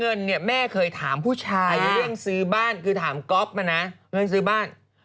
อันนี้ความคิดเห็นส่วนตัว